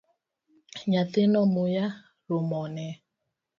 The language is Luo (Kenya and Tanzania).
Nyathino muya rumone